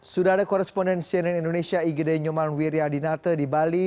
sudah ada koresponden cnn indonesia igd nyoman wiryadinate di bali